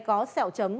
có sẹo chấm